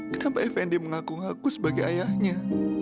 kenapa fnd mengaku ngaku sebagai ayahnya